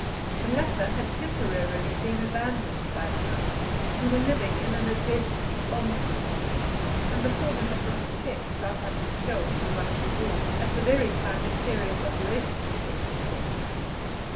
The latter had temporarily been abandoned by the nuns, who were living in an adjacent bomb proof, and the former had not escaped without having a shell through one of the wards, at the very time a serious operation was taking place.